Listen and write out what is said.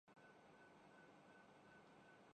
یہاں ہر چیز نرالی ہے۔